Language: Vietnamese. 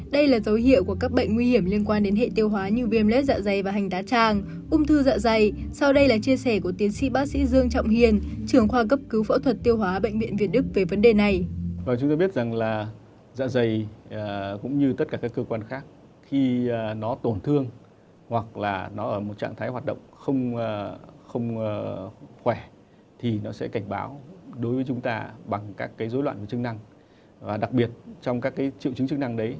đây là dấu hiệu của các bệnh nguy hiểm liên quan đến hệ tiêu hóa như viêm lết dạ dày và hành tá tràng ung thư dạ dày sau đây là chia sẻ của tiến sĩ bác sĩ dương trọng hiền trưởng khoa cấp cứu phẫu thuật tiêu hóa bệnh viện việt đức về vấn đề này